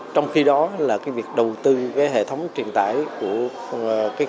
trong khi đó việc đầu tư hệ thống truyền tải của khuôn